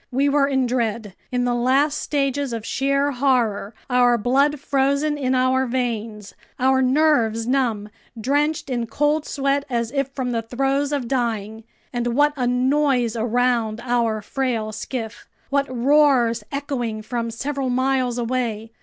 We were in dread, in the last stages of sheer horror, our blood frozen in our veins, our nerves numb, drenched in cold sweat as if from the throes of dying! And what a noise around our frail skiff! What roars echoing from several miles away!